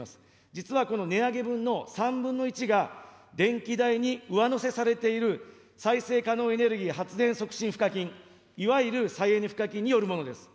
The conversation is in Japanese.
実はこの値上げ分の３分の１が、電気代に上乗せされている、再生可能エネルギー発電促進賦課金、いわゆる再エネ賦課金によるものです。